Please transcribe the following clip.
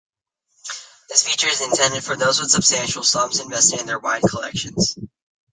This feature is intended for those with substantial sums invested in their wine collections.